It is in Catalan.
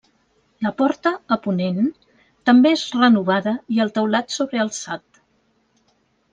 La porta, a ponent, també és renovada i el teulat sobrealçat.